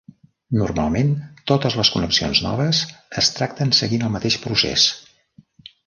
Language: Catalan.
Normalment, totes les connexions noves es tracten seguint el mateix procés.